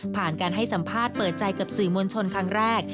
การให้สัมภาษณ์เปิดใจกับสื่อมวลชนครั้งแรก